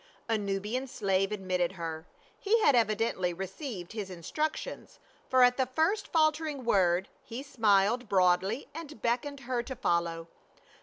A Nubian slave admitted her ; he had evidently received his in structions, for at the first faltering word, he smiled broadly and beckoned her to follow.